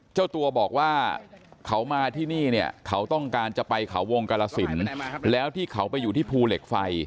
เจ้าตัวบอกว่าเขามาที่นี่เนี่ยเขาต้องการจะไปเขาวงกาลสินแล้วที่เขาไปอยู่ที่ภูเหล็กไฟ